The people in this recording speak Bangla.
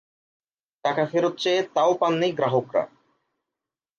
টাকা ফেরত চেয়ে তাও পাননি গ্রাহকরা।